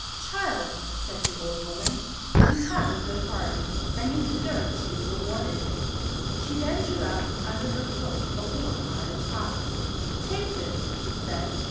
"Child," said the old woman, "you have a good heart, and you deserve to be rewarded." She then drew out from under her cloak a little iron pot. "Take this," she said.